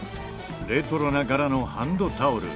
レトロな柄のハンドタオル。